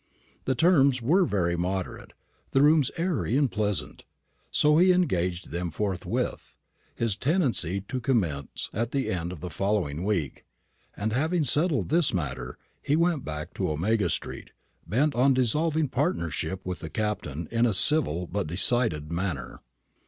The terms were very moderate, the rooms airy and pleasant; so he engaged them forthwith, his tenancy to commence at the end of the following week; and having settled this matter, he went back to Omega street, bent on dissolving partnership with the Captain in a civil but decided manner.